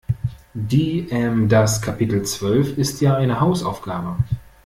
Die, ähm, das Kapitel zwölf ist ja eine Hausaufgabe.